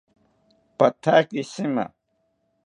Pathaki shima